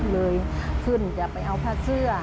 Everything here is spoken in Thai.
เลยขึ้นจะไปเอาผ้าเสื้อ